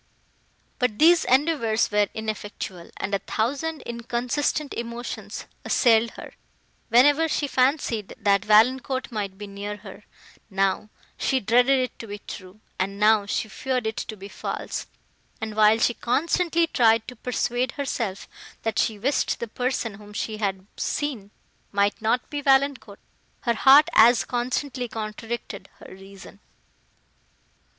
But, these endeavours were ineffectual, and a thousand inconsistent emotions assailed her, whenever she fancied that Valancourt might be near her; now, she dreaded it to be true, and now she feared it to be false; and, while she constantly tried to persuade herself, that she wished the person, whom she had seen, might not be Valancourt, her heart as constantly contradicted her reason.